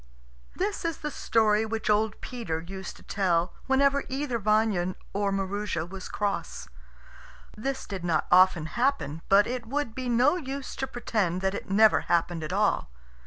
This is the story which old Peter used to tell whenever either Vanya or Maroosia was cross. This did not often happen; but it would be no use to pretend that it never happened at all.